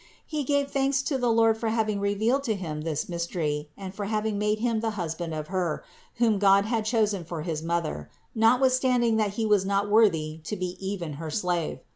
He gave thanks to the Lord for having revealed to him this mystery and for having made him the husband of Her, whom God had chosen for his Mother, notwithstanding that he was not worthy to be even her slave.